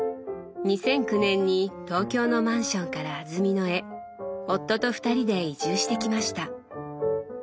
２００９年に東京のマンションから安曇野へ夫と二人で移住してきました。